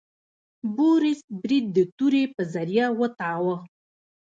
بوریس برید د تورې په ذریعه وتاوه.